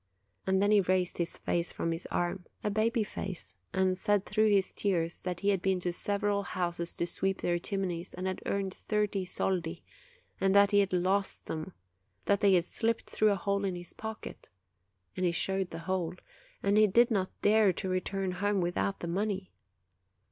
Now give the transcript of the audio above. And then he raised his face from his arm a baby face and said through his tears that he had been to several houses to sweep the chimneys, and had earned thirty soldi, and that he had lost them, that they had slipped through a hole in his pocket, and he showed the hole, and he did not dare to return home without the money.